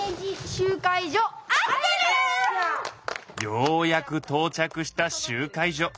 ようやくとう着した集会所。